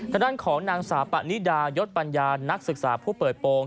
ทางด้านของนางสาวปะนิดายศปัญญานักศึกษาผู้เปิดโปรง